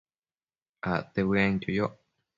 Acte bëenquio yoc